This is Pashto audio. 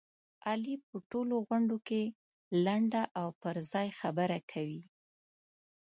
علي په ټولو غونډوکې لنډه او پرځای خبره کوي.